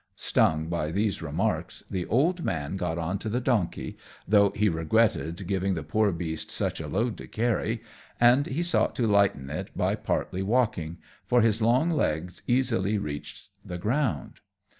Stung by these remarks the old man got on to the donkey, though he regretted giving the poor beast such a load to carry, and he sought to lighten it by partly walking, for his long legs easily reached the ground.